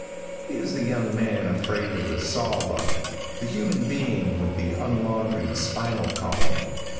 He is the young man afraid of the sawbuck, the human being with the unlaundried spinal column.